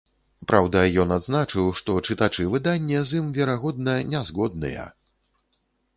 Праўда, ён адзначыў, што чытачы выдання з ім, верагодна, не згодныя.